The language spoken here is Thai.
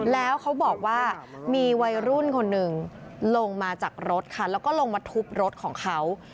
แล้วเขาบอกว่ามีวัยรุ่นคนหนึ่งลงมาจากรถค่ะแล้วก็ลงมาทุบรถของเขา